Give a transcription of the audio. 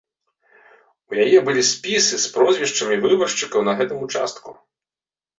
У яе былі спісы з прозвішчамі выбаршчыкаў на гэтым участку.